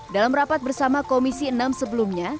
dalam rapat bersama komisi enam sebelumnya